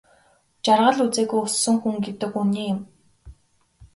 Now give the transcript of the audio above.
Жаргал үзээгүй өссөн хүн гэдэг үнэн юм.